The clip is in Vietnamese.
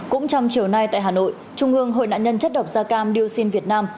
cũng trong chiều nay tại hà nội trung ương hội nạn nhân chất độc gia cam điêu sinh việt nam